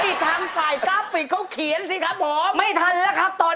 ไม่ทันฝ่ายกราฟิกเขาเขียนสิครับครับผม